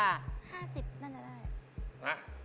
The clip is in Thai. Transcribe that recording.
๕๐น่าจะได้นะ